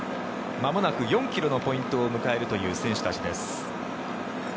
まもなく４ｋｍのポイントを迎えるという選手たちです。